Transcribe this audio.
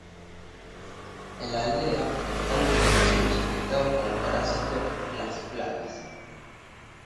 En la aldea están los campesinos infectados con el parásito "Las Plagas".